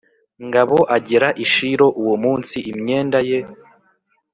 ngabo agera i Shilo uwo munsi imyenda ye